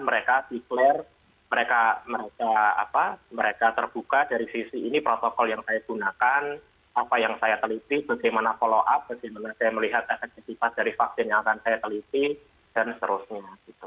mereka declare mereka terbuka dari sisi ini protokol yang saya gunakan apa yang saya teliti bagaimana follow up bagaimana saya melihat efektivitas dari vaksin yang akan saya teliti dan seterusnya